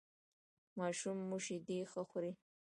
ماشوم مو شیدې ښه خوري؟